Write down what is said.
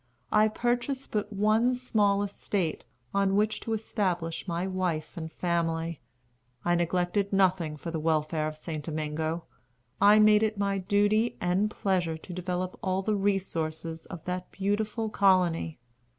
I purchased but one small estate, on which to establish my wife and family. I neglected nothing for the welfare of St. Domingo. I made it my duty and pleasure to develop all the resources of that beautiful colony.